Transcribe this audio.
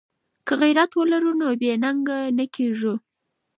که غیرت ولرو نو بې ننګه نه کیږو.